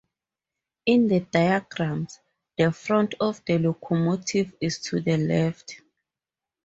In the diagrams, the front of the locomotive is to the left.